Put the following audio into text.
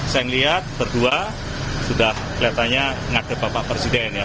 saya melihat berdua sudah kelihatannya ngadep bapak presiden ya